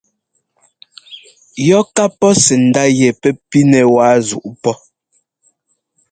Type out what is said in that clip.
Yɔ ká pɔ́ tsɛ̌ndá yɛ pɛ́ pínɛ wáa zuꞌú pɔ́.